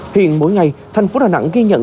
hiện mỗi ngày thành phố đà nẵng ghi nhận